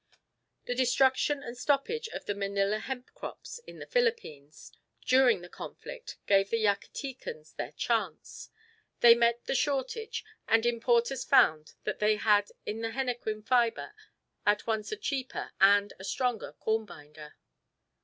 The destruction and stoppage of the Manila hemp crops in the Philippines during the conflict gave the Yucatecans their chance. They met the shortage, and importers found that they had in the henequen fibre at once a cheaper and a stronger corn binder.